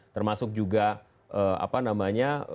termasuk juga apa namanya